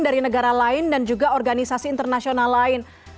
dari negara lain dan juga organisasi internasional lain